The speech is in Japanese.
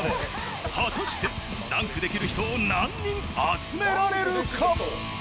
果たしてダンクできる人を何人集められるか。